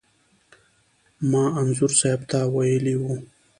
ما انځور صاحب ته ویلي و.